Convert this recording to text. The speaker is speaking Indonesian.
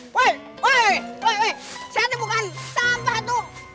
woi woi woi siapa bukan sampah tuh